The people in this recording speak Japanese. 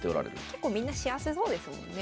結構みんな幸せそうですもんね。